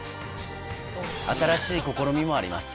新しい試みもあります。